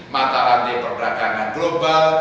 mataran di perberagangan global